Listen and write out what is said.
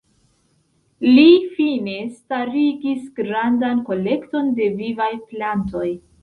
Li fine starigis grandan kolekton de vivaj plantoj.